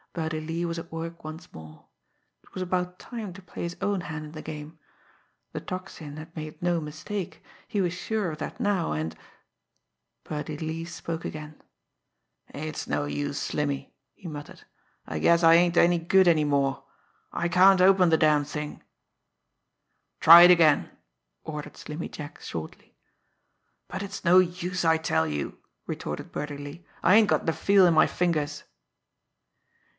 Birdie Lee was at work once more. It was about time to play his own hand in the game. The Tocsin had made no mistake, he was sure of that now, and Birdie Lee spoke again. "It's no use, Slimmy!" he muttered. "I guess I ain't any good any more. I can't open the damned thing!" "Try it again!" ordered Slimmy Jack shortly. "But it's no use, I tell you!" retorted Birdie Lee. "I ain't got the feel in my fingers."